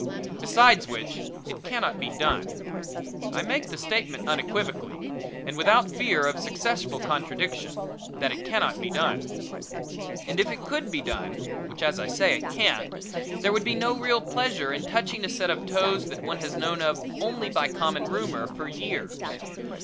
Besides which it cannot be done. I make the statement unequivocally and without fear of successful contradiction that it cannot be done. And if it could be done which as I say it can't there would be no real pleasure in touching a set of toes that one has known of only by common rumor for years.